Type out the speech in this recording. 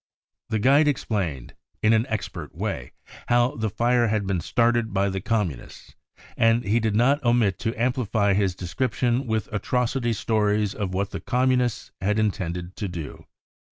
The guide explained 44 in an expert way " how the fire had been started by the Communists, and he did not omit to amplify his description with atrocity stories of what the Communists had intended to do.